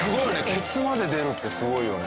ケツまで出るってすごいよね。